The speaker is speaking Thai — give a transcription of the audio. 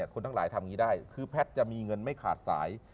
คนทั้งหลายทำอย่างนี้ได้